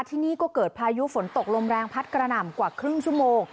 ที่นี่ก็เกิดพายุฝนตกลมแรงพัดกระหน่ำกว่าครึ่งชั่วโมง